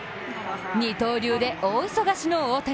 二刀流で大忙しの大谷。